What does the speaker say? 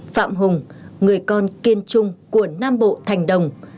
phạm hùng người con kiên trung của nam bộ thành đồng